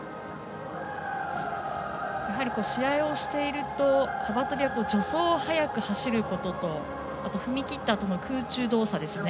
やはり試合をしていると幅跳びは助走、速く走ることとあと踏み切ったあとの空中動作ですね。